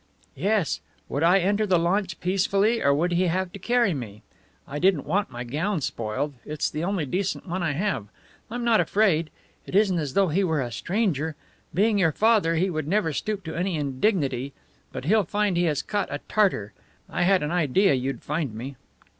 "Yes. Would I enter the launch peacefully, or would he have to carry me? I didn't want my gown spoiled it's the only decent one I have. I'm not afraid. It isn't as though he were a stranger. Being your father, he would never stoop to any indignity. But he'll find he has caught a tartar. I had an idea you'd find me."